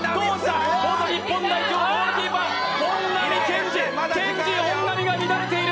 元日本代表、ゴールキーパー本並健治、ケンジ・ホンナミが乱れている。